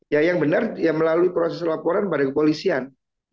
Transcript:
ya yang benar ya melalui proses laporan pada kepolisian